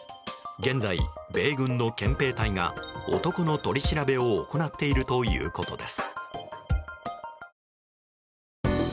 現在、米軍の憲兵隊が男の取り調べを行っているということです。